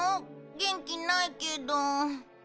元気ないけど。